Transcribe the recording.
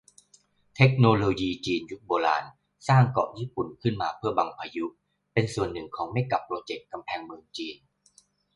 เทคโนโลยีจีนยุคโบราณ สร้างเกาะญี่ปุ่นขึ้นมาเพื่อบังพายุ เป็นส่วนหนึ่งของเมกะโปรเจกต์กำแพงเมืองจีน